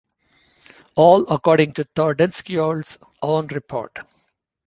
All according to Tordenskiolds own report.